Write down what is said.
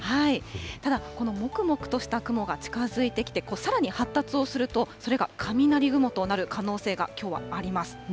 ただ、このもくもくとした雲が近づいてきて、さらに発達をすると、それが雷雲となる可能性が、きょうはあります。